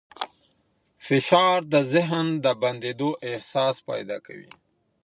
فشار د ذهن د بندېدو احساس پیدا کوي.